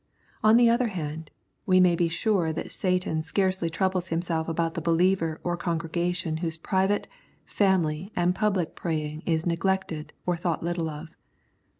On the other hand, we may be sure that Satan scarcely troubles himself about the believer or congregation whose private, family, and public praying is neglected or thought little of.